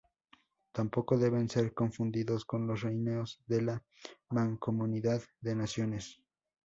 Tampoco deben ser confundidos con los reinos de la Mancomunidad de Naciones.